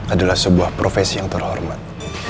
adalah sebuah profesi yang terhormat